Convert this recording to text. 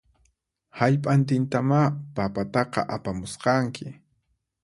Hallp'antintamá papataqa apamusqanki